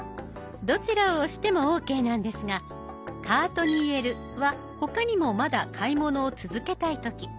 どちらを押してもオーケーなんですが「カートに入れる」は他にもまだ買い物を続けたい時。